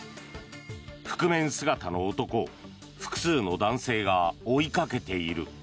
覆面姿の男を複数の男性が追いかけている。